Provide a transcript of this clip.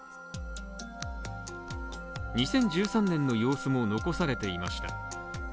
２０１３年の様子も残されていました。